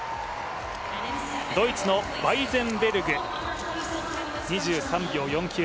ドイツのワイゼンベルグ、２３秒４９。